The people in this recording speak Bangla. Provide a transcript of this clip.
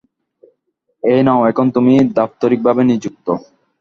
এই নাও এখন তুমি দাপ্তরিকভাবে নিযুক্ত।